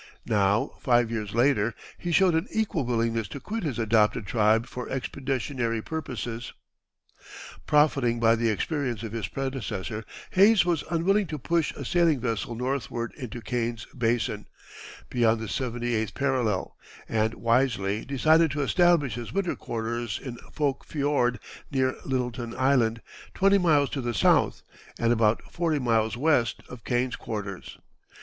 Now, five years later, he showed an equal willingness to quit his adopted tribe for expeditionary purposes. [Illustration: Hayes's Winter Quarters.] Profiting by the experience of his predecessor, Hayes was unwilling to push a sailing vessel northward into Kane's Basin, beyond the seventy eighth parallel, and wisely decided to establish his winter quarters in Foulke Fiord, near Littleton Island, twenty miles to the south, and about forty miles west, of Kane's quarters.